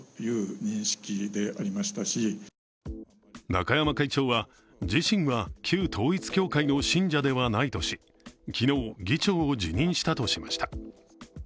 中山会長は自身が旧統一教会の信者ではないとし昨日、議長を辞任したとしました。